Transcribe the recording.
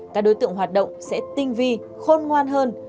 các đối tượng hoạt động sẽ tinh vi khôn ngoan hơn